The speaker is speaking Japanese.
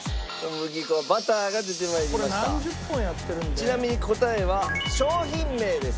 ちなみに答えは商品名です。